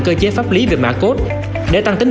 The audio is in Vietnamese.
cơ chế pháp lý về mã cốt để tăng tính